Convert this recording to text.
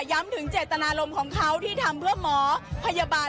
ถึงเจตนารมณ์ของเขาที่ทำเพื่อหมอพยาบาล